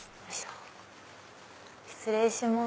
失礼します。